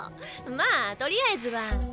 まあとりあえずは。